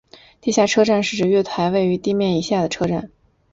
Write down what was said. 地下车站是指月台位于地面以下的车站。